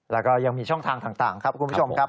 แล้วก็ยังมีช่องทางต่างครับคุณผู้ชมครับ